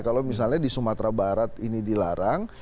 kalau misalnya di sumatera barat ini dilarang